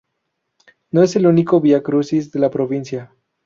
No es el único vía crucis de la provincia.